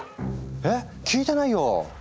えっ聞いてないよ！